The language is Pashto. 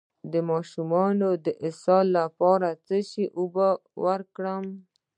د ماشوم د اسهال لپاره د څه شي اوبه ورکړم؟